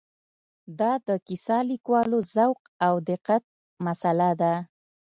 دا د کیسه لیکوالو ذوق او دقت مساله ده.